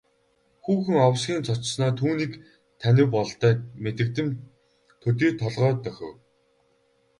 Хүүхэн овсхийн цочсоноо түүнийг танив бололтой мэдэгдэм төдий толгой дохив.